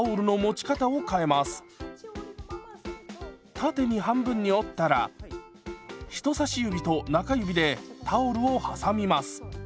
縦に半分に折ったら人差し指と中指でタオルを挟みます。